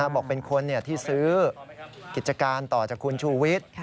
บอกเป็นคนที่ซื้อกิจการต่อจากคุณชูวิทย์